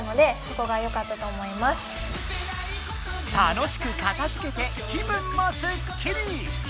楽しく片づけて気分もスッキリ！